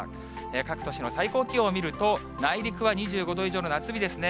各都市の最高気温を見ると、内陸は２５度以上の夏日ですね。